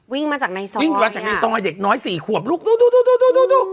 วิ่งมาจากในซ่อซ์หน็อย๔หัวดู